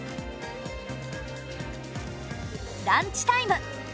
ランチタイム。